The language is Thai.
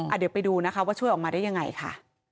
เดี๋ยวไปดูนะคะว่าช่วยออกมาได้ยังไงค่ะ